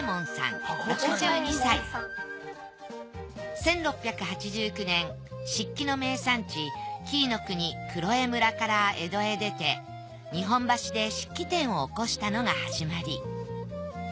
１６８９年漆器の名産地紀伊国・黒江村から江戸へ出て日本橋で漆器店を興したのが始まり。